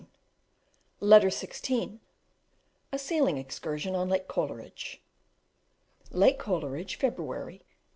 ] Letter XVI: A sailing excursion on Lake Coleridge. Lake Coleridge, February 1867.